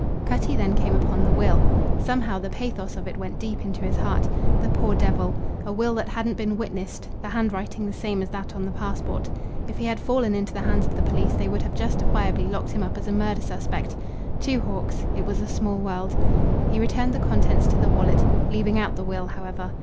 Cutty then came upon the will. Somehow the pathos of it went deep into his heart. The poor devil! a will that hadn't been witnessed, the handwriting the same as that on the passport. If he had fallen into the hands of the police they would have justifiably locked him up as a murder suspect. Two Hawks! It was a small world. He returned the contents to the wallet, leaving out the will, however.